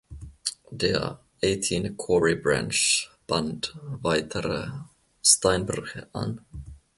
Der "Eighteen Quarry Branch" band weitere Steinbrüche an.